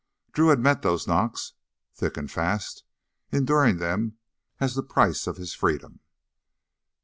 Drew had met those knocks, thick and fast, enduring them as the price of his freedom.